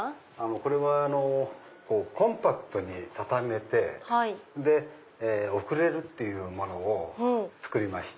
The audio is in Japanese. これはコンパクトに畳めて送れるっていうものを作りまして。